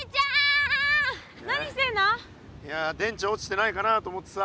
いや電池落ちてないかなと思ってさ。